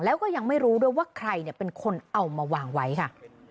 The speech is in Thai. แล้วก็ยังไม่รู้ด้วยว่าใครเป็นคนเอามาวางไว้ค่ะ